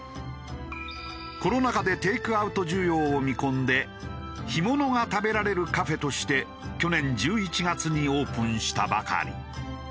コロナ禍でテイクアウト需要を見込んで干物が食べられるカフェとして去年１１月にオープンしたばかり。